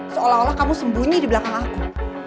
seolah olah kamu sembunyi di belakang aku